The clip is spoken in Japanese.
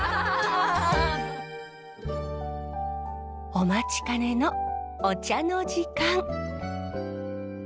お待ちかねのお茶の時間。